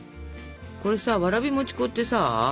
これさわらび餅粉ってさ